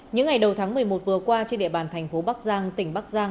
những ngày đầu tháng một mươi một vừa qua trên địa bàn thành phố bắc giang tỉnh bắc giang